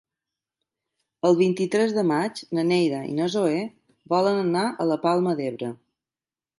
El vint-i-tres de maig na Neida i na Zoè volen anar a la Palma d'Ebre.